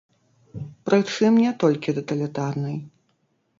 Прычым не толькі таталітарнай.